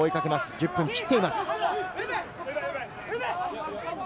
１０分切っています。